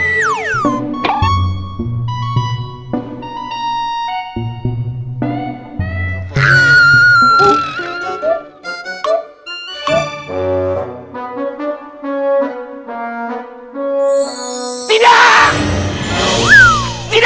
aduh aduh aduh